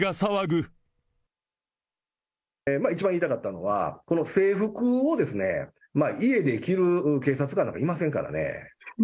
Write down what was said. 一番言いたかったのは、この制服を家で着る警察官なんかいませんからね。